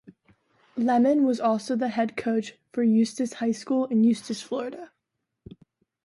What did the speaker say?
Lemon was also the head coach for Eustis High School in Eustis, Florida.